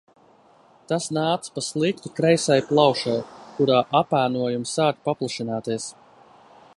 Tas nāca pa sliktu kreisai plaušai – kurā apēnojumi sāka paplašināties.